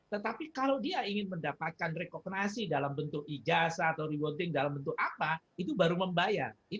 tetapi kalau dia ingin mendapatkan rekognasi dalam bentuk ijazah atau rewarding dalam bentuk apa itu baru membayar